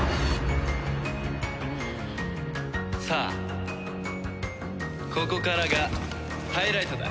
さあここからがハイライトだ。